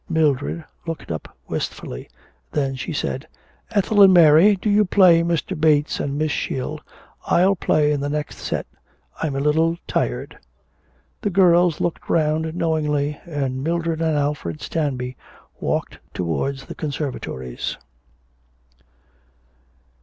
Mildred looked up wistfully; then she said: 'Ethel and Mary, do you play Mr. Bates and Miss Shield. I will play in the next set; I am a little tired.' The girls looked round knowingly, and Mildred and Alfred Stanby walked towards the conservatories.